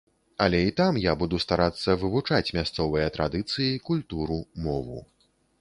Але і там я буду старацца вывучаць мясцовыя традыцыі, культуру, мову.